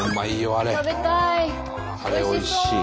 あれおいしい。